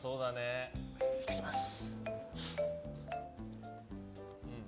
いただきます。